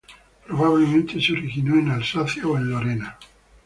Probablemente, se originó en Alsacia o Lorena.